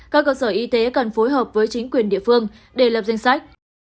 các cơ sở y tế cần phối hợp với chính quyền địa phương để lập danh sách